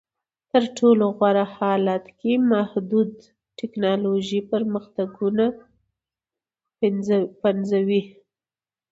په تر ټولو غوره حالت کې محدود ټکنالوژیکي پرمختګونه پنځوي